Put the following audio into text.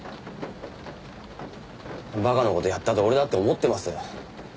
馬鹿な事やったと俺だって思ってます。